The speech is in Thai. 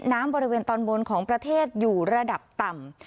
บริเวณตอนบนของประเทศอยู่ระดับต่ำ